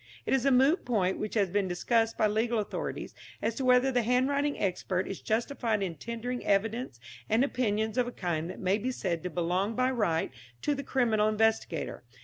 It is a moot point, which has been discussed by legal authorities, as to whether the handwriting expert is justified in tendering evidence and opinions of a kind that may be said to belong by right to the criminal investigator.